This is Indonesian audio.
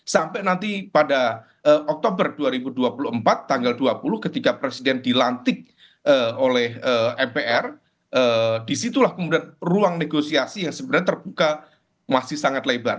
sampai nanti pada oktober dua ribu dua puluh empat tanggal dua puluh ketika presiden dilantik oleh mpr disitulah kemudian ruang negosiasi yang sebenarnya terbuka masih sangat lebar